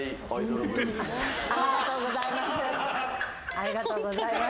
ありがとうございます。